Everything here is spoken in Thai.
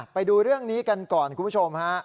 ไปดูเรื่องนี้กันก่อนคุณผู้ชมฮะ